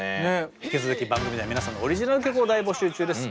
引き続き番組では皆さんのオリジナル曲を大募集中です。